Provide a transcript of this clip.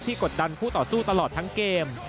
กดดันคู่ต่อสู้ตลอดทั้งเกม